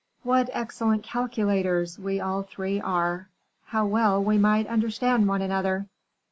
What excellent calculators we all three are! How well we might understand one another!"